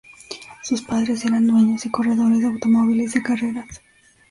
Sus padres eran dueños y corredores de automóviles de carreras.